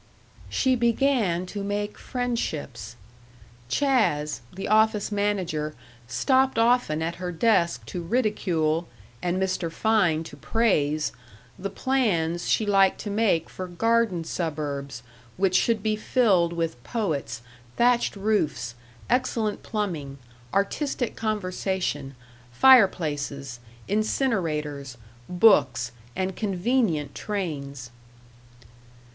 She began to make friendships. "Chas.," the office manager, stopped often at her desk to ridicule and Mr. Fein to praise the plans she liked to make for garden suburbs which should be filled with poets, thatched roofs, excellent plumbing, artistic conversation, fireplaces, incinerators, books, and convenient trains.